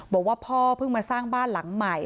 บอกว่าพ่อเพิ่งมาสร้างบ้านหลังใหม่